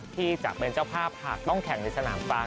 ที่จะเป็นเจ้าภาพหากต้องแข่งในสนามกลาง